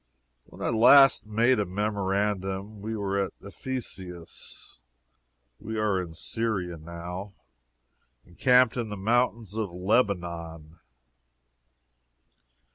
When I last made a memorandum, we were at Ephesus. We are in Syria, now, encamped in the mountains of Lebanon.